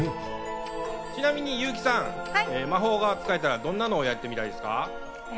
ちなみに優木さん、魔法が使えたらどんなのをやってみたいですか？